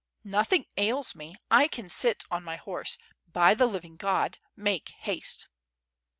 "Nothing ails me, I can sit on my horse, by the living God! make haste!''